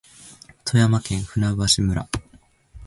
富山県舟橋村